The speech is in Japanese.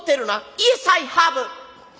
『イエスアイハブ』。